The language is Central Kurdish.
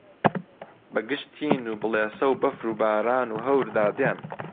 بەگژ تین و بڵێسە و بەفر و باران و هەوردا دێن